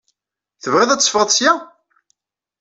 Tebɣiḍ ad teffɣeḍ ssya?